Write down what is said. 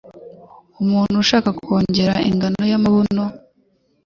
umuntu ushaka kongera ingano y'amabuno